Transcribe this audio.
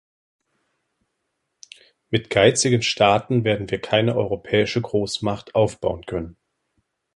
Mit geizigen Staaten werden wir keine europäische Großmacht aufbauen können.